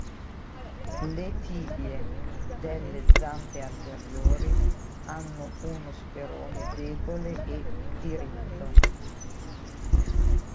Le tibie delle zampe anteriori hanno uno sperone debole e diritto.